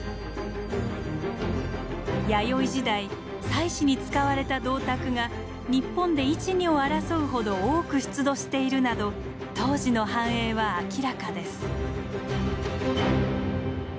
弥生時代祭祀に使われた銅鐸が日本で一二を争うほど多く出土しているなど当時の繁栄は明らかです。